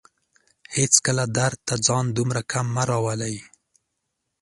هيڅکله درد ته ځان دومره کم مه راولئ